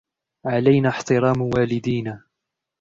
علينا احترام والدينا.